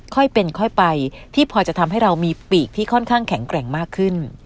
ค่อยเป็นค่อยไปที่พอจะทำให้เรามีปีกที่ค่อนข้างแข็งแกร่งมากขึ้น